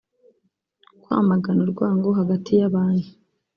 kwamagana urwango hagati y’abantu